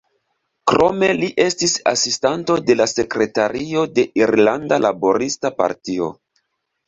Krome li estis asistanto de la sekretario de Irlanda Laborista Partio.